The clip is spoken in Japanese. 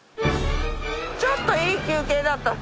ちょっといい休憩だったね。